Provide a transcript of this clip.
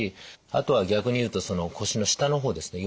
あとは逆に言うと腰の下の方ですね